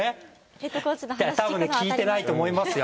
たぶん聞いてないと思いますよ。